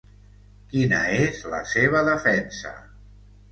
Quina és la seva defensa?